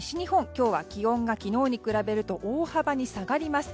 今日は気温が昨日に比べると大幅に下がります。